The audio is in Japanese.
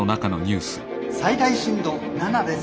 「最大震度７です。